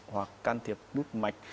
hoặc can thiệp đút mạch